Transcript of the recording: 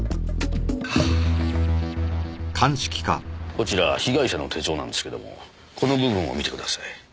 こちら被害者の手帳なんですけどもこの部分を見てください。